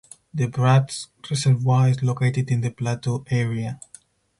The Bratsk Reservoir is located in the plateau area.